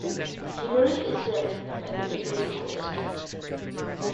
Amery is served by the Amery School District.